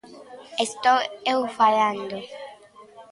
¡Estou eu falando!